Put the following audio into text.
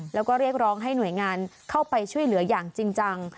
แล้วก็เรียกร้องให้หน่วยงานเข้าไปช่วยเหลืออย่างจริงจัง